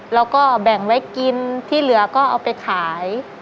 แล้วก็แบ่งไว้กินที่เหลือก็เอาไปขาย